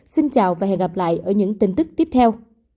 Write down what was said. xin chào và hẹn gặp lại ở những tin tức tiếp theo